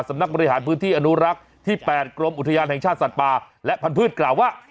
สำนักบริหารพื้นที่อนุรักษ์ที่๘กรมอุทยานแห่งชาติสัตว์ป่าและพันธุ์กล่าวว่า